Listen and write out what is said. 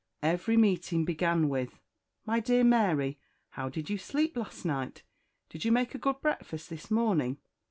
Every meeting began with, "My dear Mary, how did you sleep last night? Did you make a good breakfast this morning?